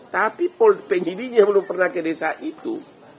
tapi penyidiknya belum pernah ke desa itu